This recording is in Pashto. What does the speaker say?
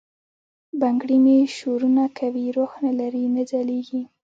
بنګړي مي شورنه کوي، روح نه لری، نه ځلیږي